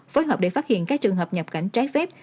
phối hợp để phát hiện các trường hợp nhập cảnh trái phép